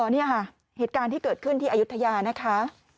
นี่ค่ะเหตุการณ์ที่เกิดขึ้นที่อายุทยานะคะ